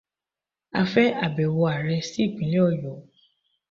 A fẹ́ àbẹ̀wò Ààrẹ sí ìpínlẹ̀ Ọ̀yọ́.